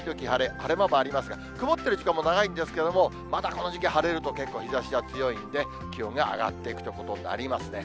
晴れ間もありますが、曇っている時間も長いんですけれども、まだこの時期、晴れると結構日ざしが強いんで、気温が上がっていくということになりますね。